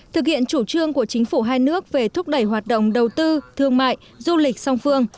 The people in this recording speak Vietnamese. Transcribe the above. thực hiện chủ trương của chính phủ hai nước về thúc đẩy hoạt động đầu tư thương mại du lịch song phương